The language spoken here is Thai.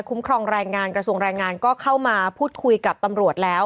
ครองแรงงานกระทรวงแรงงานก็เข้ามาพูดคุยกับตำรวจแล้ว